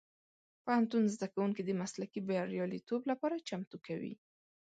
پوهنتون زدهکوونکي د مسلکي بریالیتوب لپاره چمتو کوي.